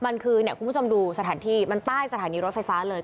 มันคือเนี่ยคุณผู้ชมดูสถานที่มันใต้สถานีรถไฟฟ้าเลย